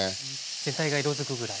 全体が色づくぐらい。